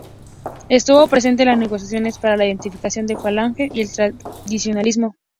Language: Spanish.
Estuvo presente en las negociaciones para la unificación de Falange y el Tradicionalismo.